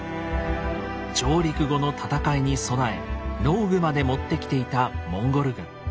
上陸後の戦いに備え農具まで持ってきていたモンゴル軍。